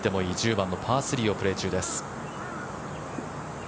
番のパー３をプレー中です。